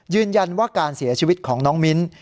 ยืนยันว่าการเสียชีวิตของน้องมิ้น